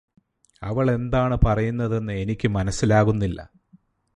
അവളെന്താണ് പറയുന്നതെന്ന് എനിക്ക് മനസ്സിലാകുന്നില്ല